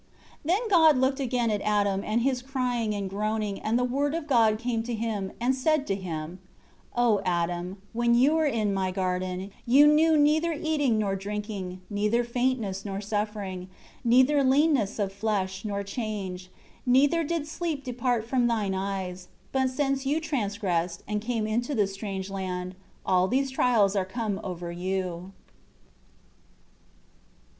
1 Then God looked again at Adam and his crying and groaning, and the Word of God came to him, and said to him: 2 "O Adam, when you were in My garden, you knew neither eating nor drinking; neither faintness nor suffering; neither leanness of flesh, nor change; neither did sleep depart from thine eyes. But since you transgressed, and came into this strange land, all these trials are come over you."